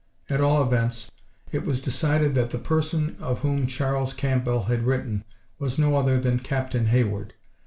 At all events, it was decided that the person of whom Charles Campbell had written, was no other than Captain Hayward.